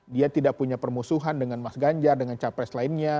dia tidak punya permusuhan dengan mas ganjar dengan capres lainnya